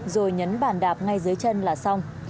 rồi nhấn bàn đạp ngay dưới chân là xong